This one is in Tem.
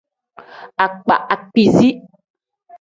Akpa akpiizi.